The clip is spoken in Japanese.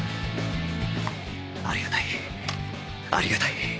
ありがたいありがたい